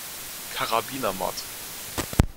Karabiner Mod.